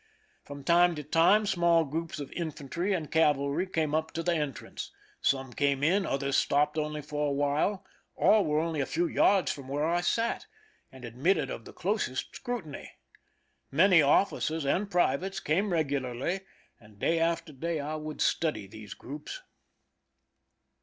From time to time small groups of infantry and cavalry came up to the entrance. Some came in, others stopped only for a while ; all were only a few yards from where I sat, and admitted of the closest scrutiny. Many officers and privates came regularly, and day after day I would study these groups.